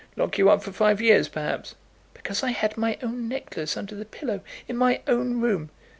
Lock you up for five years, perhaps." "Because I had my own necklace under the pillow in my own room?"